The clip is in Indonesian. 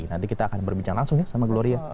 nanti kita akan berbincang langsung ya sama gloria